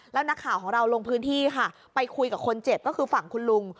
แล้วนักข่าวของเราลงพื้นที่ค่ะไปคุยกับคนเจ็บก็คือฝั่งคุณลุง